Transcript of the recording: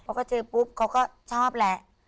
เขาก็เจอปุ๊บเขาก็ชอบแหละ